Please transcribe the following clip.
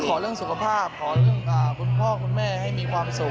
ขอเรื่องสุขภาพขอเรื่องคุณพ่อคุณแม่ให้มีความสุข